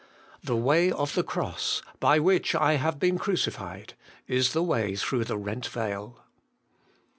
The way of the cross, ' by which I have been crucified,' is the way through the rent veil.